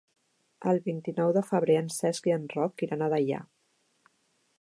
El vint-i-nou de febrer en Cesc i en Roc iran a Deià.